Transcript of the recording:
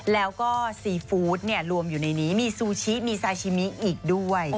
แล้วก็ซีฟู้ดรวมอยู่ในนี้มีซูชิมีซาชิมิอีกด้วย